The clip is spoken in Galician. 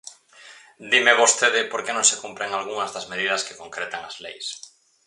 Dime vostede por que non se cumpren algunhas das medidas que concretan as leis.